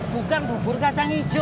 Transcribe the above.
bukan bubur kacang hijau